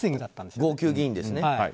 号泣議員ですね。